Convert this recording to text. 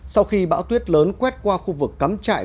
sau khi bão tuyết lớn quét qua khu vực cắm trại